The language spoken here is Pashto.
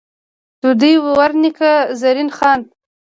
ددوي ور نيکۀ، زرين خان ،